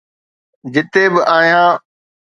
جتي به آهيان.